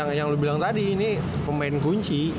kata yang lu bilang tadi ini pemain kunci